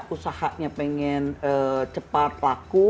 usahanya pengen cepat laku